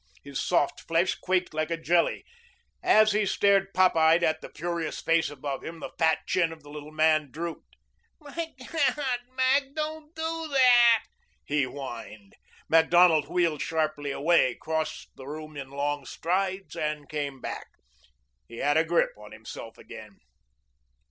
His soft flesh quaked like a jelly. As he stared pop eyed at the furious face above him, the fat chin of the little man drooped. "My God, Mac, don't do that!" he whined. Macdonald wheeled abruptly away, crossed the room in long strides, and came back. He had a grip on himself again.